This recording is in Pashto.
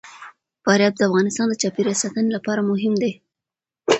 فاریاب د افغانستان د چاپیریال ساتنې لپاره مهم دي.